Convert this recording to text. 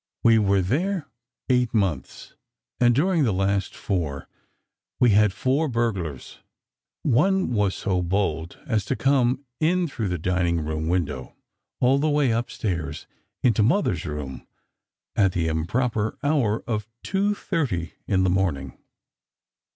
We were there eight months, and during the last four, we had four burglars. One was so bold as to come in through the dining room window, all the way upstairs into Mother's room, at the improper hour of 2:30 in the morning.